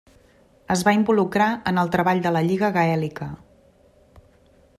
Es va involucrar en el treball de la Lliga Gaèlica.